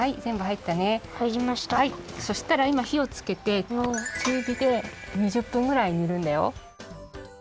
はいそしたらいま火をつけて中火で２０分ぐらい煮るんだよ。